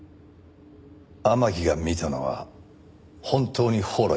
天樹が見たのは本当に宝来だったのか？